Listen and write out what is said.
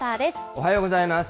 おはようございます。